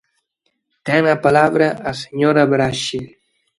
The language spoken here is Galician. Ten a palabra a señora Braxe.